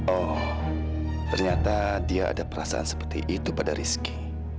oh ternyata dia ada perasaan seperti itu pada rizki